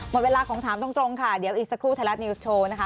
หมดเวลาของถามตรงค่ะเดี๋ยวอีกสักครู่ไทยรัฐนิวส์โชว์นะคะ